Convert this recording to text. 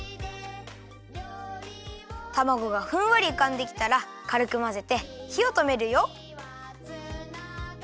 たまごがふんわりうかんできたらかるくまぜてひをとめるよ。